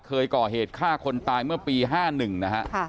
เคยก่อเหตุฆ่าคนตายเมื่อปี๕๑นะฮะ